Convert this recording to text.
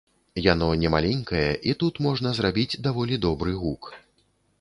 Яно немаленькае і тут можна зрабіць даволі добры гук.